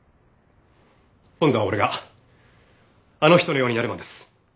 今度は俺があの人のようになる番です。